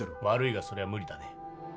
悪いがそれは無理だね。